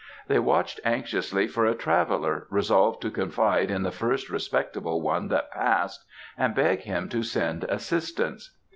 They watched anxiously for a traveller, resolved to confide in the first respectable one that passed, and beg him to send assistance.